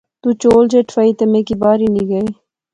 تو چول جئے ٹھوائی میں کی بہار ہنی گئے